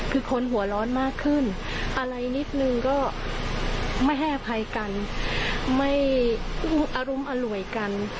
คือคนหัวร้อนมากขึ้นอะไรนิดนึงก็ไม่ให้อภัยกันไม่อารมณ์อร่วยกัน